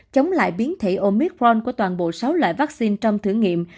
chống lại biến thể omicron của toàn bộ sáu loại vaccine trong thử nghiệm